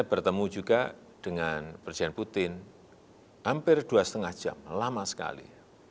bertemu juga dengan presiden putin hampir dua lima jam lama sekali